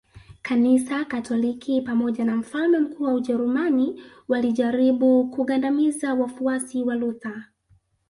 Kanisa Katoliki pamoja na mfalme mkuu wa Ujerumani walijaribu kugandamiza wafuasi wa Luther